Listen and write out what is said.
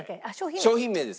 商品名です。